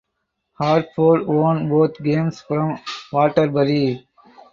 Hartford won both games from Waterbury.